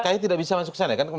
kai tidak bisa masuk kesana ya kan